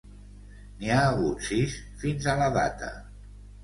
N'hi ha hagut sis fins a la data.